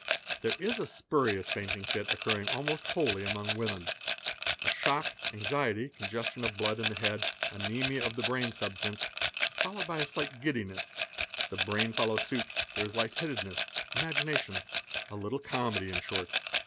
There is a spurious fainting fit occurring almost wholly amon o women. A shock, anxiety, congestion of blood in the head, anzmia of the brain substance, is followed by a slight giddiness; the brain follows suit, there is light headedness, imagination, a little comedy in short.